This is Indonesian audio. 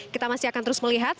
kita masih akan terus melihat